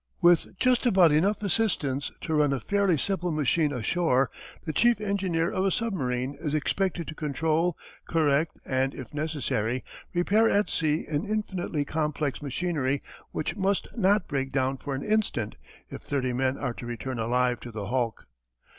With just about enough assistance to run a fairly simple machine ashore the chief engineer of a submarine is expected to control, correct, and, if necessary, repair at sea an infinitely complex machinery which must not break down for an instant if thirty men are to return alive to the hulk.